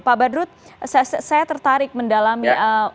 pak badrut saya tertarik mendalami